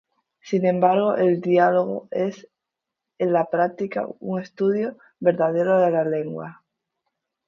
Sin embargo, el "Diálogo" es, en la práctica, un estudio verdadero de la lengua.